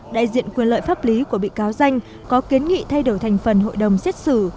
đại diện quyền lợi pháp lý của bị cáo danh có kiến nghị thay đổi thành phần hội đồng xét xử